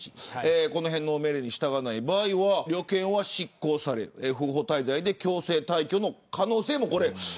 この命令に従わない場合旅券は失効されて不法滞在で強制退去の可能性も。